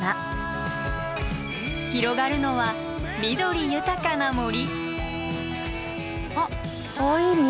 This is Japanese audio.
広がるのは緑豊かな森。